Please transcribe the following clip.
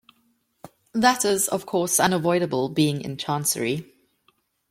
That is, of course, unavoidable, being in Chancery.